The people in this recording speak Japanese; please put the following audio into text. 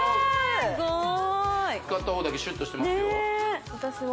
・すごい使った方だけシュッとしてますよね